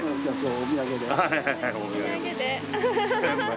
お土産で。